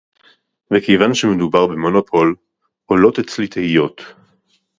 וכיוון שמדובר במונופול, עולות אצלי תהיות